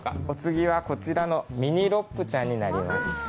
お次はミニロックちゃんになります。